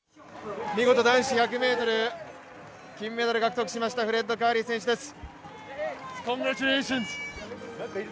見事男子１００ｍ、金メダル獲得しましたフレッド・カーリー選手です。